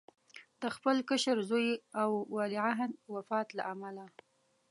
د خپل کشر زوی او ولیعهد وفات له امله.